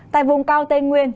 tại vùng cao tây nguyên